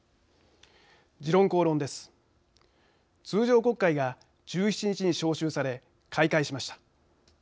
通常国会が１７日に召集され開会しました。